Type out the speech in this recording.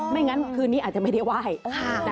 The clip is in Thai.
งั้นคืนนี้อาจจะไม่ได้ไหว้